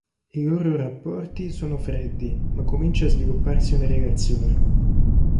I loro rapporti sono freddi ma comincia a svilupparsi una relazione.